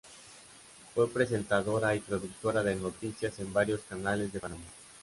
Fue presentadora y productora de noticias en varios canales de Panamá.